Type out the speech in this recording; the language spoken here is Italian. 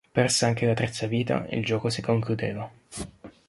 Persa anche la terza vita, il gioco si concludeva.